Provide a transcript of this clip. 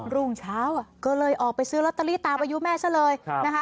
รุ่งเช้าก็เลยออกไปซื้อลอตเตอรี่ตามอายุแม่ซะเลยนะคะ